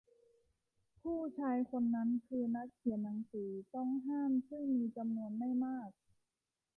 ผู้ชายคนนั้นคือนักเขียนหนังสือต้องห้ามซึ่งมีจำนวนไม่มาก